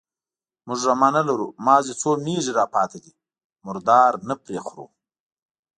_موږ رمه نه لرو، مازې څو مېږې راپاتې دي، مردار نه پرې خورو.